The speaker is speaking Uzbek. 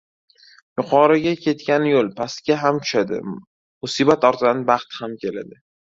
• Yuqoriga ketgan yo‘l, pastga ham tushadi; musibat ortidan baxt ham keladi.